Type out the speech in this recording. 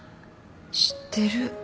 知ってる。